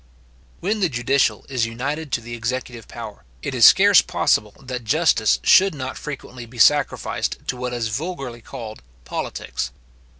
When the judicial is united to the executive power, it is scarce possible that justice should not frequently be sacrificed to what is vulgarly called politics.